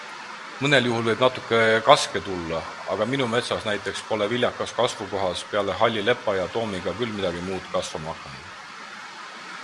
Mõnel juhul võib natuke kaske tulla, aga minu metsa näitel pole viljakas kasvukohas peale halli lepa ja toominga küll midagi muud kasvama hakanud.